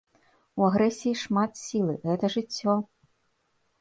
У агрэсіі шмат сілы, гэта жыццё!